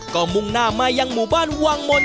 ก็มุ่งหน้ามายังหมู่บ้านวังมนต